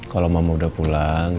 kalau mama udah pulang